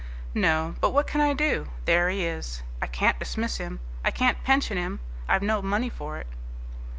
"No. But what can I do? There he is. I can't dismiss him. I can't pension him. I've no money for it."